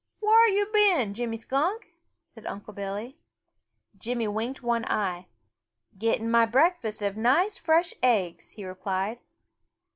"Whar yo' been, Jimmy Skunk?" asked Unc' Billy. Jimmy winked one eye. "Getting my breakfast of nice fresh eggs," he replied.